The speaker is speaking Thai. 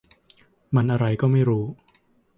มันอะไรก็ไม่รู้